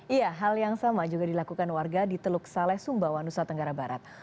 iya hal yang sama juga dilakukan warga di teluk saleh sumbawa nusa tenggara barat